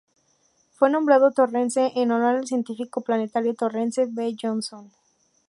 Fue nombrado Torrence en honor al científico planetario Torrence V. Johnson.